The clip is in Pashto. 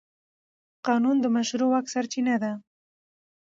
قانون د مشروع واک سرچینه ده.